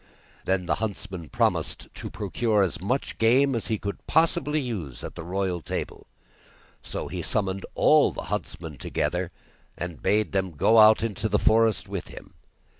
Then the huntsman promised to procure as much game for him as he could possibly use at the royal table. So he summoned all the huntsmen together, and bade them go out into the forest with him.